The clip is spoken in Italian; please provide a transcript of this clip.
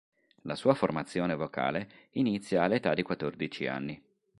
La sua formazione vocale, inizia all'età di quattordici anni.